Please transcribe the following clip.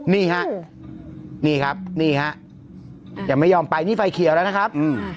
นี่ฮะนี่ครับนี่ฮะยังไม่ยอมไปนี่ไฟเขียวแล้วนะครับอืม